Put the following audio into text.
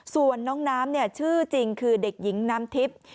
ส่วนน้องน้ำชื่อจริงคือเด็กหญิงน้ำทิพย์